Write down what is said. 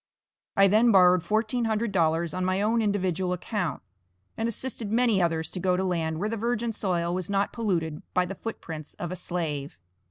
I then borrowed fourteen hundred dollars on my own individual account, and assisted many others to go to a land where the virgin soil was not polluted by the foot prints of a slave.